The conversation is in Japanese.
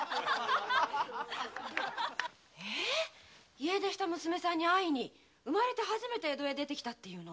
家出した娘さんに会いに初めて江戸へ出て来たっていうの？